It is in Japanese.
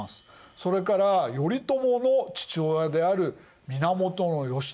それから頼朝の父親である源義朝